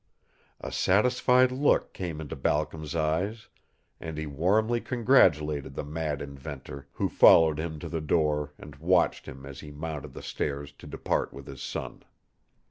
A satisfied look came into Balcom's eyes and he warmly congratulated the mad inventor, who followed him to the door and watched him as he mounted the stairs to depart with his son.